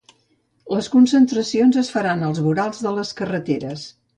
Les concentracions es faran als vorals de les carreteres.